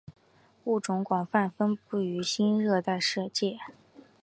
物种广泛分布于新热带界。